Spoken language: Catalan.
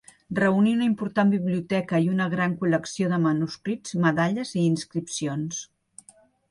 Reunir una important biblioteca i una gran col·lecció de manuscrits, medalles i inscripcions.